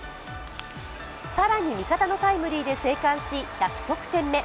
更に味方のタイムリーで生還し１００得点目。